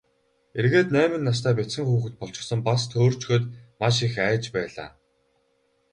Эргээд найман настай бяцхан хүүхэд болчихсон, бас төөрчхөөд маш их айж байлаа.